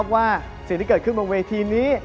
ว่าสิ่งที่เกิดขึ้นบนเวทีนี้